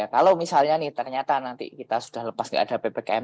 kalau misalnya nih ternyata nanti kita sudah lepas tidak ada ppkm